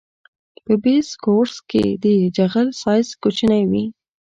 په بیس کورس کې د جغل سایز کوچنی وي